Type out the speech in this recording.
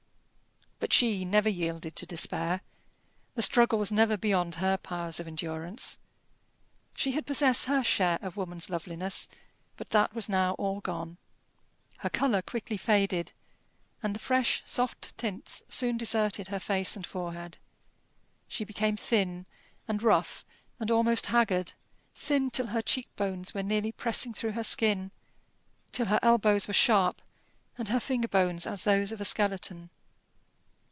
But she never yielded to despair: the struggle was never beyond her powers of endurance. She had possessed her share of woman's loveliness, but that was now all gone. Her colour quickly faded, and the fresh, soft tints soon deserted her face and forehead. She became thin, and rough, and almost haggard: thin, till her cheek bones were nearly pressing through her skin, till her elbows were sharp, and her finger bones as those of a skeleton.